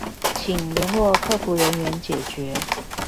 請聯絡客服人員解決